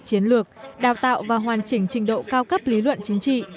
chiến lược đào tạo và hoàn chỉnh trình độ cao cấp lý luận chính trị